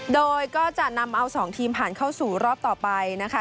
โดยก็จะนำเอา๒ทีมผ่านเข้าสู่รอบต่อไปนะคะ